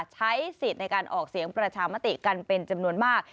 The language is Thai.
ใช้สิทธิ์ในการออกเสียงประชามติกันเป็นจำนวนมาก